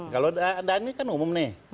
kalau dhani kan umum nih